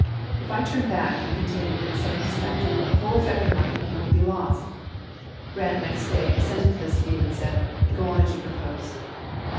" If I turn back," he con tinued in a second dispatch, "the whole effect of my campaign will be lost." Grant next day as sented to this view and said, "Go on as you propose."